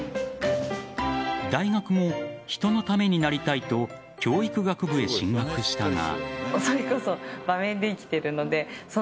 大学も人のためになりたいと教育学部へ進学したが。